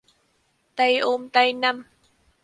Tay ôm tay năm